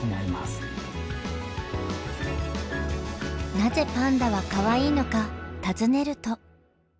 なぜパンダはかわいいのか尋ねると。